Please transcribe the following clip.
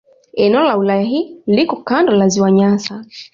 Eneo la wilaya hii liko kando la Ziwa Nyasa.